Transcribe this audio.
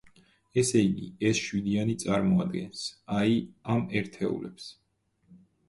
ესე იგი, ეს შვიდიანი წარმოადგენს, აი, ამ ერთეულებს.